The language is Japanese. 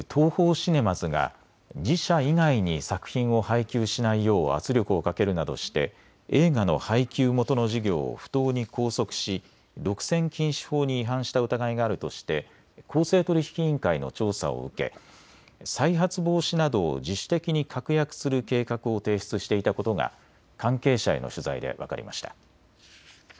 シネマズが自社以外に作品を配給しないよう圧力をかけるなどして映画の配給元の事業を不当に拘束し独占禁止法に違反した疑いがあるとして公正取引委員会の調査を受け、再発防止などを自主的に確約する計画を提出していたことが関係者への取材で分かりました。